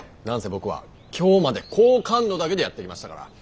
何せ僕は今日まで好感度だけでやってきましたから。